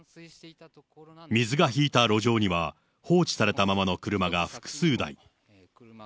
水が引いた路上には、放置されたままの車が複数台。